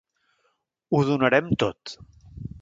Ho donarem tot.